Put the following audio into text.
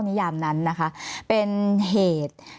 มีความรู้สึกว่ามีความรู้สึกว่า